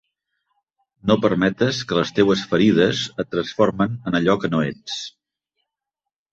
No permetes que les teues ferides et transformen en allò que no ets.